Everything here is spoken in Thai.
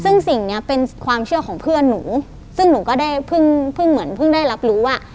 ซึ่งสิ่งเนี้ยเป็นความเชื่อของเพื่อนหนูซึ่งหนูก็ได้เพิ่งเพิ่งเหมือนเพิ่งได้รับรู้ว่า